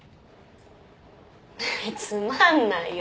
つまんないよ。